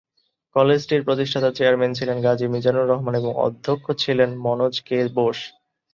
কলেজটির প্রতিষ্ঠাতা চেয়ারম্যান ছিলেন গাজী মিজানুর রহমান এবং অধ্যক্ষ ছিলেন মনোজ কে বোস।